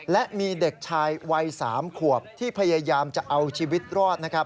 และมีเด็กชายวัยสามขวบที่พยายามจะเอาชีวิตรอด